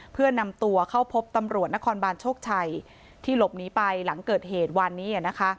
เพื่อนำตัวเข้าพบตำรวจนครบานโชคชัยที่หลบหนีไปหลังเกิดเหตุวันนี้